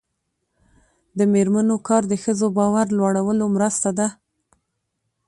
د میرمنو کار د ښځو باور لوړولو مرسته ده.